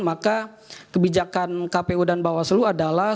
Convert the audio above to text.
maka kebijakan kpu dan bawaslu adalah